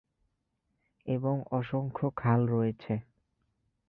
এবং অসংখ্য খাল রয়েছে।